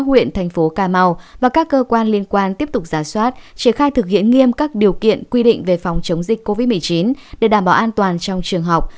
huyện thành phố cà mau và các cơ quan liên quan tiếp tục giả soát triển khai thực hiện nghiêm các điều kiện quy định về phòng chống dịch covid một mươi chín để đảm bảo an toàn trong trường học